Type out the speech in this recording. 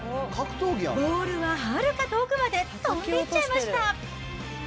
ボールははるか遠くまで飛んでいっちゃいました。